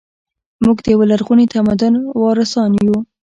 موږ د یو لرغوني تمدن وارثان یو